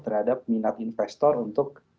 terhadap minat investor untuk